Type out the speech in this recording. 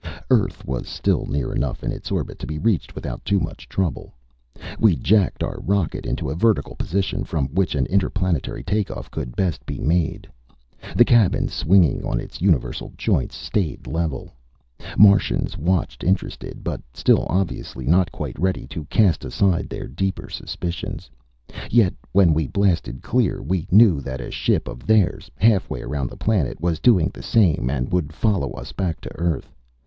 Earth was still near enough in its orbit to be reached without too much trouble. We jacked our rocket into a vertical position, from which an interplanetary takeoff could best be made. The cabin, swinging on its universal joints, stayed level. Martians watched, interested, but still obviously not quite ready to cast aside their deeper suspicions. Yet, when we blasted clear, we knew that a ship of theirs, halfway around the planet, was doing the same and would follow us back to Earth.